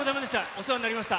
お世話になりました。